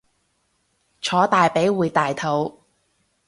坐大髀會大肚